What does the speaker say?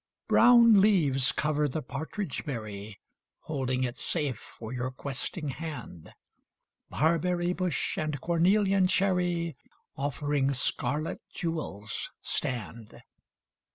Brown leaves cover the partridge berry, \ Holding it safe for your questing hand. Barberry bush and cornelian cherry Offering scarlet jewels stand.